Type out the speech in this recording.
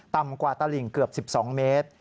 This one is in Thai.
ต่ำกว่าตลิงเกือบ๑๒เมตร